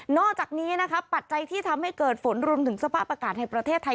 อกจากนี้นะคะปัจจัยที่ทำให้เกิดฝนรวมถึงสภาพอากาศในประเทศไทย